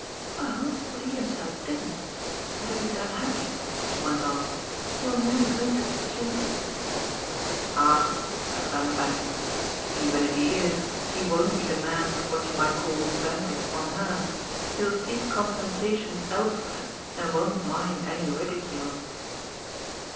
"Well, what he himself DIDN'T. And if he's unhappy," she went on, "he'll know whom to pitch into." "Ah," said Vanderbank, "even if he is he won't be the man to what you might call 'vent' it on her. He'll seek compensations elsewhere and won't mind any ridicule